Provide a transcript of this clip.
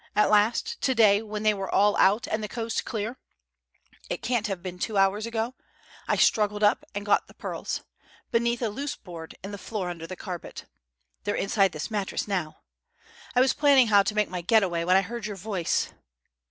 At last, to day when they were all out, and the coast clear it can't have been two hours ago I struggled up and got the pearls beneath a loose board in the floor under the carpet. They're inside this mattress now. I was planning how to make my 'getaway' when I heard your voice.